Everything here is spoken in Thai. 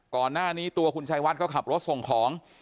ก่อนหน้านี้ตัวคุณชัยวัดเขาขับรถส่งของ